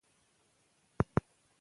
دا ښار تر اوسه خپلواک پاتې دی.